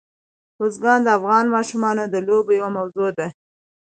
بزګان د افغان ماشومانو د لوبو یوه موضوع ده.